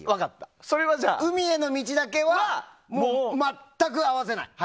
「海への道」だけは全く合わせない。